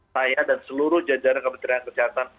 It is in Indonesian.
saya dan seluruh jajaran kementerian kesehatan